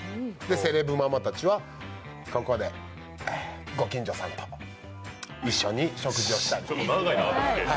セレブママたちは、ここでご近所さんと一緒に食事したり。